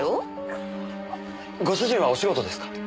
ご主人はお仕事ですか？